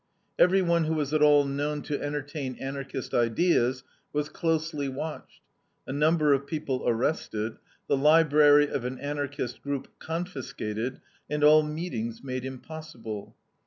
Everyone who was at all known to entertain Anarchist ideas was closely watched, a number of people arrested, the library of an Anarchist group confiscated, and all meetings made impossible.